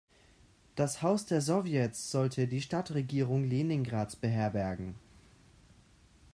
Das Haus der Sowjets sollte die Stadtregierung Leningrads beherbergen.